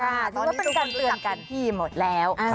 ตอนนี้ทุกคนเตือนกันที่หมดแล้ว